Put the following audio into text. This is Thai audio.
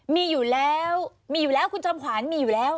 มีอยู่แล้วมีอยู่แล้วคุณจอมขวัญมีอยู่แล้ว